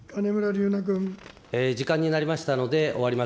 時間になりましたので、終わります。